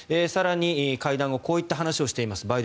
更に会談後こういった話もしています。